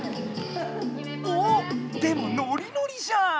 おおっでもノリノリじゃん。